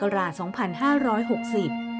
คำคืนวันที่๒๖ตุลาคมพุทธศักราช๒๕๖๐